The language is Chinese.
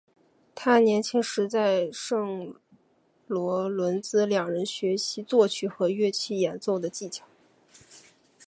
他年轻时在圣罗伦兹两人学习作曲和乐器演奏的技巧。